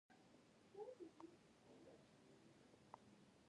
د کندهار په معروف کې د څه شي نښې دي؟